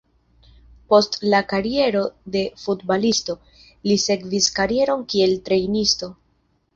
Post la kariero de futbalisto, li sekvis karieron kiel trejnisto.